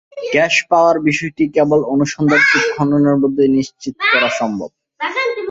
Gas পাওয়ার বিষয়টি কেবল অনুসন্ধান কূপ খননের মাধ্যমেই নিশ্চিত করা সম্ভব।